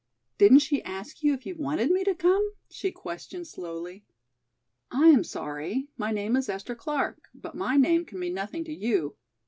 didn't she ask you if you wanted me to come?" she questioned slowly. "I am sorry; my name is Esther Clark, but my name can mean nothing to you.